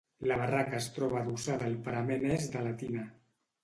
La barraca es troba adossada al parament est de la tina.